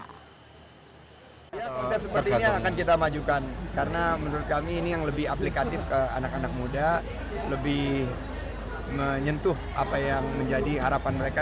konsep seperti ini yang akan kita majukan karena menurut kami ini yang lebih aplikatif ke anak anak muda lebih menyentuh apa yang menjadi harapan mereka